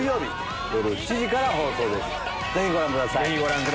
ぜひご覧ください。